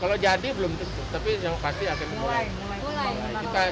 kalau jadi belum tentu tapi yang pasti akan mulai